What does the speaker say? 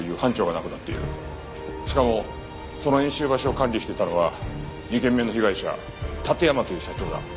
しかもその演習場所を管理していたのは２件目の被害者館山という社長だ。